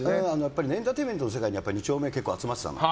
エンターテインメントの世界が２丁目に集まってたの。